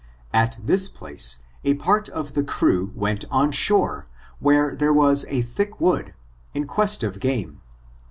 At this place, a part of the crew went on shore, where there was a thick wood, m quest of game.